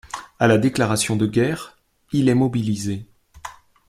À la déclaration de guerre, il est mobilisé.